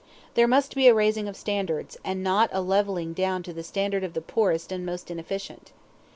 There must be a raising of standards, and not a leveling down to the standard of the poorest and most inefficient.